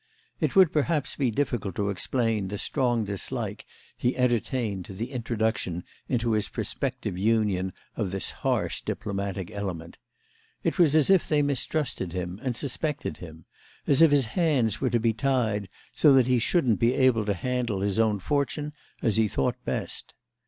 It would perhaps be difficult to explain the strong dislike he entertained to the introduction into his prospective union of this harsh diplomatic element; it was as if they mistrusted him and suspected him; as if his hands were to be tied so that he shouldn't be able to handle his own fortune as he thought best.